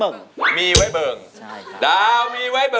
ร้องได้ให้ร้าน